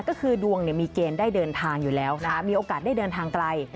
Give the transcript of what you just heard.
ก็คือดวงมีเกณฑ์ได้เดินทางอยู่แล้วนะคะมีโอกาสได้เดินทางไกล